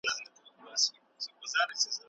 زه د دې موضوع په اړه معلومات نلرم.